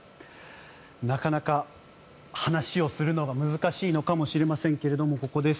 なかなか話をするのが難しいのかもしれませんがここです。